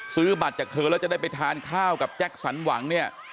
ซื้อบัตรจากเธอแล้วจะได้ไปทานข้าวกับแจ็คสันหวังเนี่ย